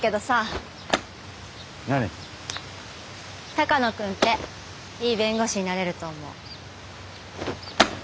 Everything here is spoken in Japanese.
鷹野君っていい弁護士になれると思う。